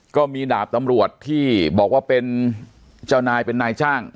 ก็มีดาบตำรวจที่บอกว่าเป็นเจ้านายเป็นนายจ้าง